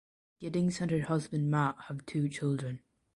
Giddings and her husband Matt have two children.